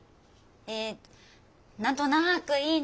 え何となくいいなあ。